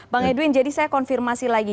bang edwin jadi saya konfirmasi lagi